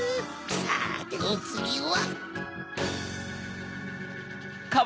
さておつぎは！